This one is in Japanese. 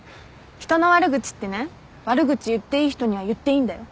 人の悪口ってね悪口言っていい人には言っていいんだよ。